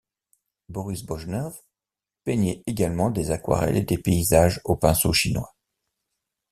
Boris Bojnev peignait également des aquarelles et des paysages au pinceau chinois.